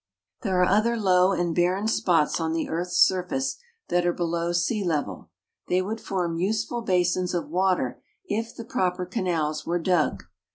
There are other low and barren spots on the earth's surface that are below sea level. They would form useful basins of water if the proper canals were dug.